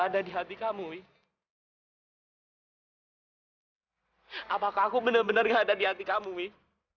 dewi apakah aku benar benar nggak ada di hati kamu wih